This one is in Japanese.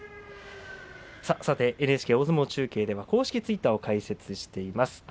ＮＨＫ大相撲中継では公式ツイッターを開設しています。